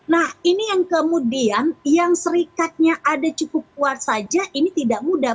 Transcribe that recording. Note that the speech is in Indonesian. nah ini yang kemudian yang serikatnya ada cukup kuat saja ini tidak mudah